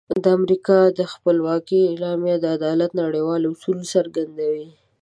د امریکا د خپلواکۍ اعلامیه د عدالت نړیوال اصول څرګندوي.